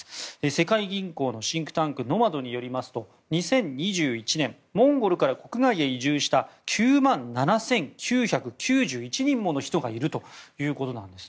世界銀行のシンクタンクＫＮＯＭＡＤによりますと２０２１年、モンゴルから国外へ移住した９万７９９１人もの人がいるということなんです。